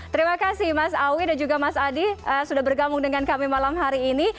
terima kasih mas awi dan juga mas adi sudah bergabung dengan kami malam hari ini